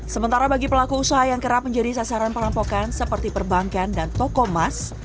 sementara bagi pelaku usaha yang kerap menjadi sasaran perampokan seperti perbankan dan toko emas